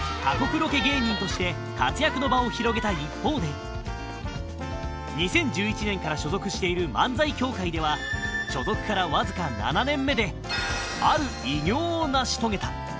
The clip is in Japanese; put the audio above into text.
過酷ロケ芸人として活躍の場を広げた一方で２０１１年から所属している漫才協会では所属からわずか７年目である偉業を成し遂げた